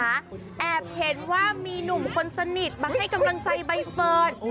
แอบเห็นว่ามีหนุ่มคนสนิทมาให้กำลังใจใบเฟิร์น